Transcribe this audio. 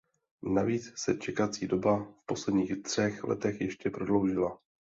Navíc se čekací doba v posledních třech letech ještě prodloužila.